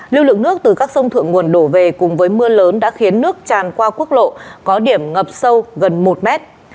lưu lượng nước từ các sông thượng nguồn đổ về cùng với mưa lớn đã khiến nước tràn qua quốc lộ có điểm ngập sâu gần một mét